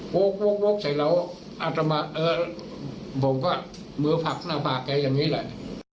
โว๊คโว๊คโว๊คใส่แล้วอัตมาเออผมก็มือผักหน้าผากแกอย่างนี้แหละ